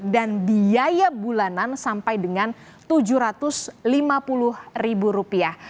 dan biaya bulanan sampai dengan tujuh ratus lima puluh ribu rupiah